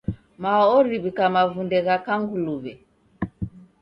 Mao oriw'ika mavunde gha kanguluw'e.